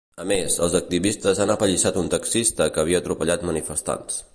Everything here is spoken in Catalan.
A més, els activistes han apallissat un taxista que havia atropellat manifestants.